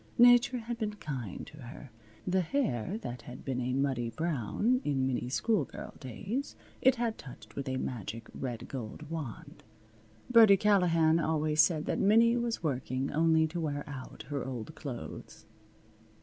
Nature had been kind to her. The hair that had been a muddy brown in Minnie's schoolgirl days it had touched with a magic red gold wand. Birdie Callahan always said that Minnie was working only to wear out her old clothes.